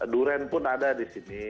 durian pun ada di sini